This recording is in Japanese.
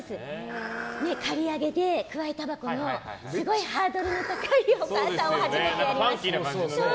刈り上げで、くわえたばこのすごいハードルの高いお母さんを初めてやりました。